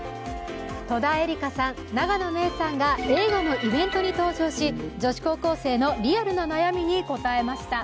戸田恵梨香さん、永野芽郁さんが映画のイベントに登場し女子高校生のリアルな悩みに答えました。